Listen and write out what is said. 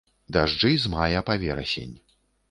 Дажджы з мая па верасень.